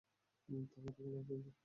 থামো, থামো, পিঙ্কি।